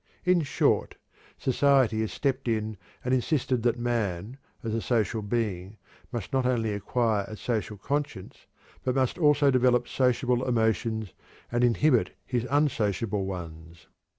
In short, society has stepped in and insisted that man, as a social being, must not only acquire a social conscience but must also develop sociable emotions and inhibit his unsociable ones.